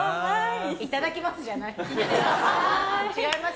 いただきます！